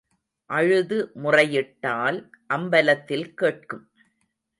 அழுது முறையிட்டால் அம்பலத்தில் கேட்கும்.